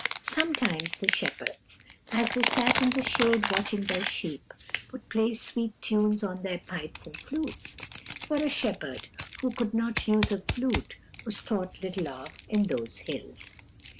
Sometimes the shepherds, as they sat in the shade watching their sheep, would play sweet tunes on their pipes and flutes, for a shepherd who could not use a flute was thought little of in those hills.